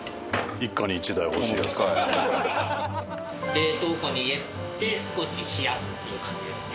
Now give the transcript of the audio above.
冷凍庫に入れて少し冷やすっていう感じですね。